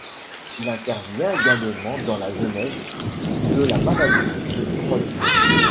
Il intervient également dans la genèse de la maladie de Crohn.